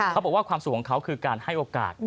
เขาบอกว่าความสุขของเขาคือการให้โอกาส